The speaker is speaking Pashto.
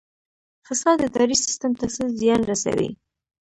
فساد اداري سیستم ته څه زیان رسوي؟